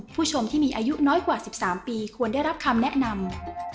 ผู้ชมที่มีอายุน้อยกว่า๑๓ปีควรได้รับคำแนะนำ